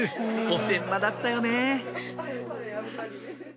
おてんばだったよね